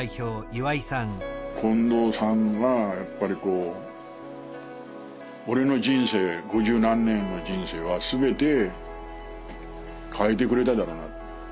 近藤さんがやっぱりこう俺の人生五十何年の人生は全て変えてくれた。